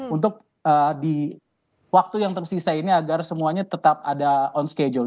untuk di waktu yang tersisa ini agar semuanya tetap ada on schedule